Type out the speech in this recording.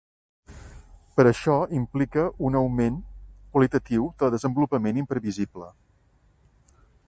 Per això implica un augment qualitatiu de desenvolupament imprevisible.